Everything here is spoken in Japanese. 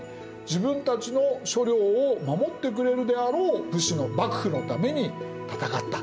自分たちの所領を守ってくれるであろう幕府のために戦った。